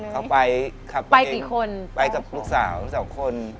เข้าไปกับลูกสาว๒คน